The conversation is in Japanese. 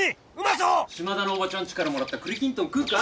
島田のおばちゃんちからもらった栗きんとん食うか？